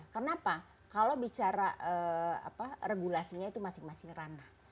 kenapa kalau bicara regulasinya itu masing masing ranah